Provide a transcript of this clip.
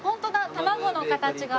卵の形が。